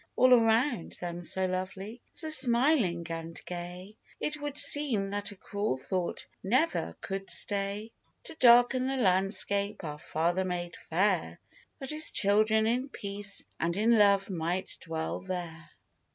All around them so lovely, so smiling, and gay, It would seem that a cruel thought never could stay To darken the landscape our Father made fair, That His children in peace and in love might dwell there.